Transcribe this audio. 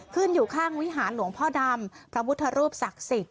อยู่ข้างวิหารหลวงพ่อดำพระพุทธรูปศักดิ์สิทธิ